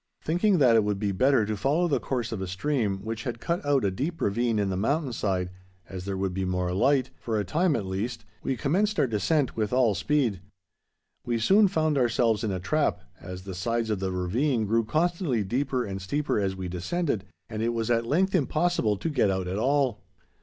Thinking that it would be better to follow the course of a stream, which had cut out a deep ravine in the mountain side, as there would be more light, for a time at least, we commenced our descent with all speed. We soon found ourselves in a trap, as the sides of the ravine grew constantly deeper and steeper as we descended, and it was at length impossible to get out at all.